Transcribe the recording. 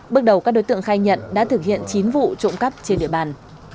bước đầu các đối tượng khai nhận đã thực hiện chín vụ trộm cắp trên địa bàn